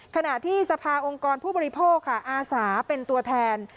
ขณะที่สภาองค์กรผู้บริโภคค่ะอาสาเป็นตัวแทน